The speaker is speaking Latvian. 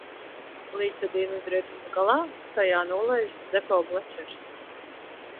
Līča dienvidrietumu galā tajā nolaižas Depo glečers.